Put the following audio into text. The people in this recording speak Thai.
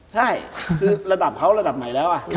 ใช่คือระดับเขาระดับไหนแล้ว